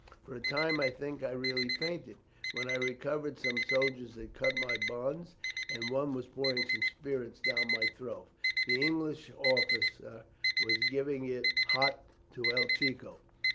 For a time I think I really fainted. When I recovered some soldiers had cut my bonds, and one was pouring some spirits down my throat. The English officer was giving it hot to El Chico.